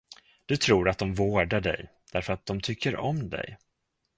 Du tror, att de vårdar dig, därför att de tycker om dig.